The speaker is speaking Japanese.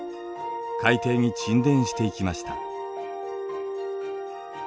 海底に沈殿していきました。